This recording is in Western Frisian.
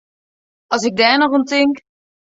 As ik dêr noch oan tink!